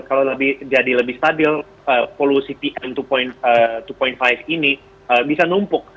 kalau jadi lebih stabil polu cpm dua lima ini bisa numpuk